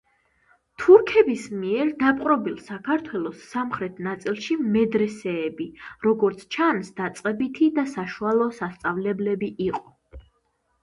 თურქების მიერ დაპყრობილ საქართველოს სამხრეთ ნაწილში მედრესეები, როგორც ჩანს, დაწყებითი და საშუალო სასწავლებლები იყო.